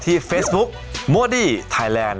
ที่เฟสบุ๊คโมดี้ไทยแลนด์